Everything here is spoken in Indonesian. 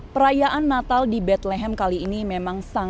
perayaan natal di bethlehem kali ini memang sangat penting